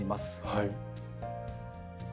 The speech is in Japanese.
はい。